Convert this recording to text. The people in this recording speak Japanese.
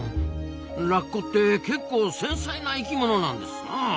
ラッコって結構繊細な生きものなんですなあ。